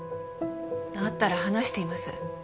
あったら話しています。